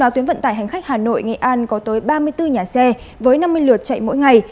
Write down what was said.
sáu tuyến vận tải hành khách hà nội nghệ an có tới ba mươi bốn nhà xe với năm mươi lượt chạy mỗi ngày